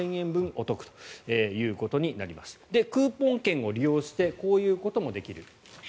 クーポン券を利用してこういうこともできる。